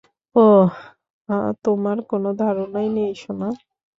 ওহ, তোমার কোন ধারণাই নেই সোনা।